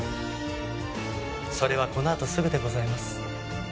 それはこのあとすぐでございます。